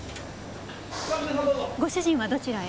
ご主人はどちらへ？